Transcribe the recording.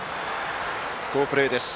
好プレーです。